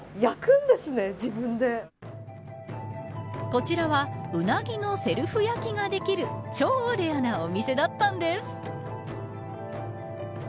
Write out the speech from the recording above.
こちらはウナギのセルフ焼きができる超レアなお店だったんです。